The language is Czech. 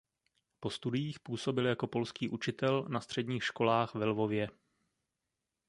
Po studiích působil jako polský učitel na středních školách ve Lvově.